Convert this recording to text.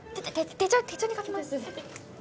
手帳に書きます。